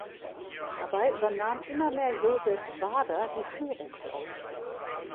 Dabei übernahm immer mehr Joseph Bader die Führungsrolle.